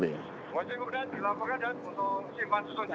silahkan andapart tiga menerima